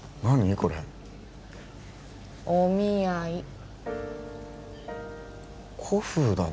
これお見合い古風だな